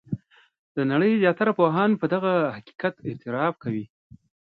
د نړۍ زیاتره پوهان په دغه حقیقت اعتراف کوي.